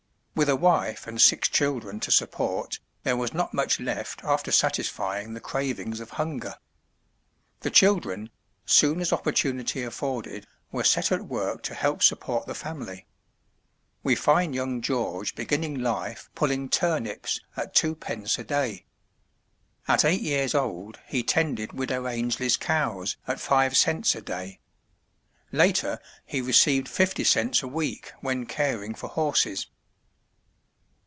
With a wife and six children to support, there was not much left after satisfying the cravings of hunger. The children, soon as opportunity afforded, were set at work to help support the family. We find young George beginning life pulling turnips at two pence a day. At eight years old he tended Widow Ainslie's cows at five cents a day. Later, he received fifty cents a week when caring for horses.